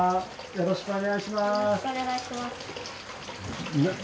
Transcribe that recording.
よろしくお願いします。